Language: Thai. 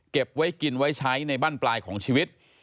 เก็บไว้กินไว้ใช้ในบ้านปลายของชีวิต